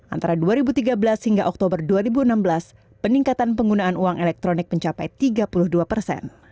antara dua ribu tiga belas hingga oktober dua ribu enam belas peningkatan penggunaan uang elektronik mencapai tiga puluh dua persen